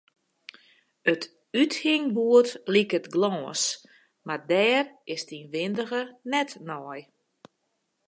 It úthingboerd liket gâns, mar dêr is 't ynwindige net nei.